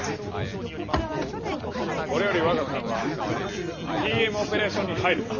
これより我が艦はＴＭオペレーションに入る！